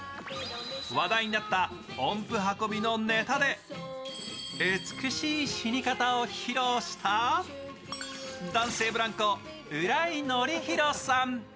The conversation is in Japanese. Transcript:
話題になった音符運びのネタで美しい死に方を披露した、男性ブランコ・浦井のりひろさん。